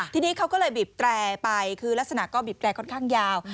ทีนี้เขาก็เลยบีบแตรไปคือลักษณะก็บีบแตรค่อนข้างยาว